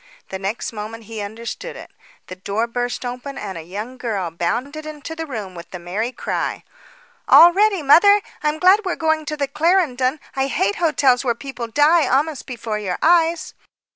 The next moment he understood it. The door burst open, and a young girl bounded into the room, with the merry cry: "All ready, mother. I'm glad we are going to the Clarendon. I hate hotels where people die almost before your eyes."